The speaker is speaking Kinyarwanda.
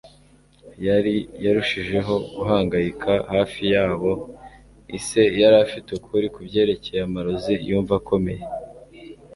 Yully yarushijeho guhangayika hafi yabo; ise yari afite ukuri kubyerekeye amarozi yumva akomeye.